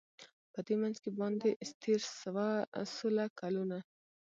په دې منځ کي باندی تېر سوله کلونه